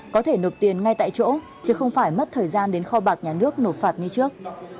có thể nộp tiền ngay tại chỗ chứ không phải mất thời gian đến kho bạc nhà nước nộp phạt như trước